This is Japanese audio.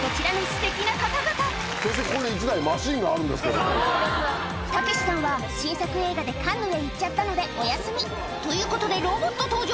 ここに１台、たけしさんは、新作映画でカンヌへ行っちゃったので、お休み。ということで、ロボット登場。